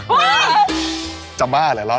เฮ้ยจำบ้าอะไรล้อเล่น